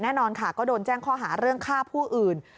แน่นอนค่ะก็โดนแจ้งข้อหาเรื่องฆ่าผู้อื่น